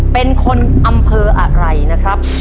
เป็นคนอำเภออะไรนะครับ